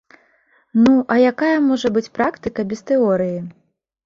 Ну, а якая можа быць практыка без тэорыі?